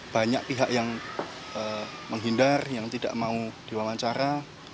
banyak pihak yang menghindar yang tidak mau diwawancara